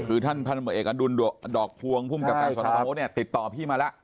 คือท่านบัตรเอกอดุลดอกฮวงภูมิกับการสอนอบางมสติดต่อพี่มาแล้ว